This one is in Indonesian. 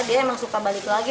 dia emang suka balik lagi